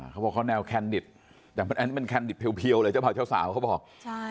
เขาบอกว่าเขาแนวแคนดิตแต่มันแคนดิตเพียวเลยเจ้าสาวเขาบอก